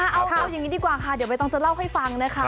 เอาอย่างนี้ดีกว่าค่ะเดี๋ยวใบตองจะเล่าให้ฟังนะคะ